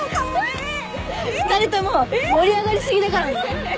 ２人とも盛り上がり過ぎだからね。